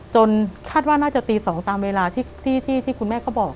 คาดว่าน่าจะตี๒ตามเวลาที่คุณแม่เขาบอก